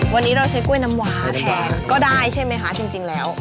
วันนี้เราใช้กล้วยน้ำว้าแทนก็ได้ใช่ไหมคะจริงแล้ว